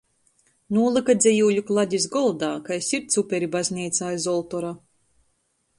Nūlyka dzejūļu kladis goldā kai sirds uperi bazneicā iz oltora.